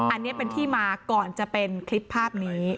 อันนี้เป็นที่มาก่อนจะเป็นคลิปภาพนี้